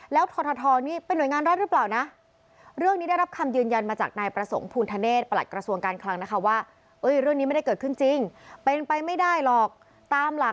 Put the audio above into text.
แล้วททนี่เป็นหน่วยงานรัฐหรือเปล่านะ